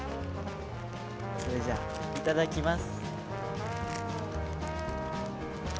それじゃあ、いただきます。